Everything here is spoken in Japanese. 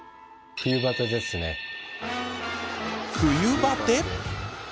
冬バテ？